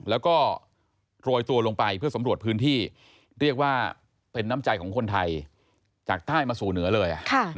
แล้วก็โรยตัวลงไปเพื่อสำรวจพื้นที่เรียกว่าเป็นน้ำใจของคนไทยจากใต้มาสู่เหนือเลย